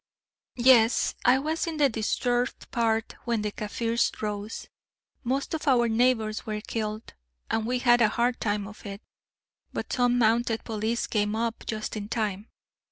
"Yes, I was in the disturbed part when the Kaffirs rose. Most of our neighbours were killed, and we had a hard time of it, but some mounted police came up just in time.